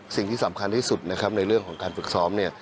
สิ่งที่สำคัญที่สุดในเรื่องของการฝึกซ้อม